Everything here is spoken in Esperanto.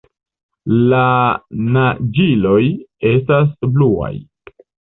La naĝiloj estas bluaj.